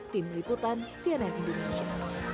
tim liputan sianet indonesia